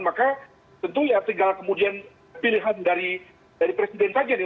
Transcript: maka tentu ya tinggal kemudian pilihan dari presiden saja